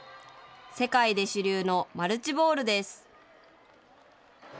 世界で主流のマルチボールです。